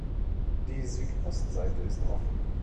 Die Südostseite ist offen.